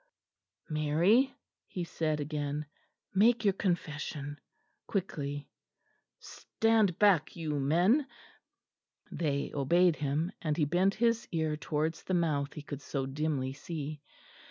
"Mary," he said again, "make your confession quickly. Stand back, you men." They obeyed him; and he bent his ear towards the mouth he could so dimly see.